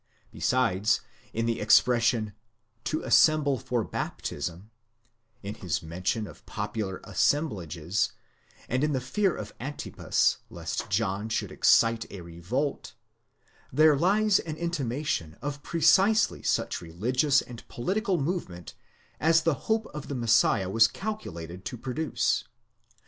Besides, in the ex pression, 70 assembie for baptism, βαπτισμῷ συνιέναι, in his mention of popular assemblages, συστρέφεσθαι, and in the fear of Antipas lest John should excite a revolt, ἀπόστασις, there lies an intimation of precisely such a religious and political movement as the hope of the Messiah was calculated to produce.